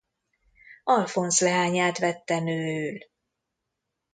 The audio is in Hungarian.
Alfonz leányát vette nőül.